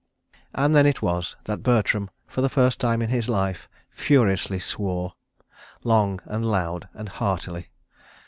And then it was that Bertram, for the first time in his life, furiously swore—long and loud and heartily.